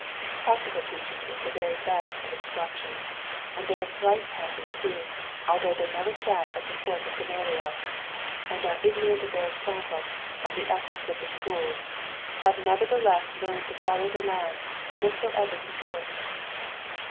Practical teaching is the very best of instruction, and they are thrice happy who, although they never sat at the feet of Oomaliel, and aro ignor&Qt of Aristotle, and the ethics of the schools, have nevertheless learned to follow the Lamb withei«)ever he goeth.